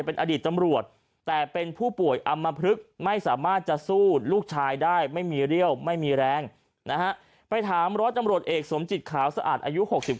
เป็นอดีตตำรวจแต่เป็นผู้ป่วยอำมพลึกไม่สามารถจะสู้ลูกชายได้ไม่มีเรี่ยวไม่มีแรงนะฮะไปถามร้อยตำรวจเอกสมจิตขาวสะอาดอายุ๖๙